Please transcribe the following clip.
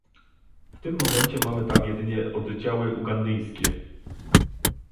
W tym momencie mamy tam jedynie oddziały ugandyjskie